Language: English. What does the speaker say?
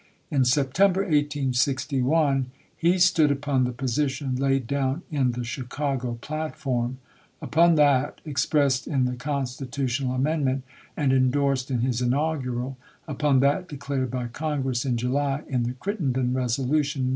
In September, 1861, he stood upon the posi tion laid down in the Chicago platform ; upon that expressed in the constitutional amendment and in dorsed in his inaugural; upon that declared by Congress in July, in the Crittenden resolution, isei.